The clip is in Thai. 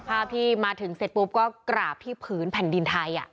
ภาพที่มาถึงเสร็จปุ๊บก็กราบที่ผืนแผ่นดินไทย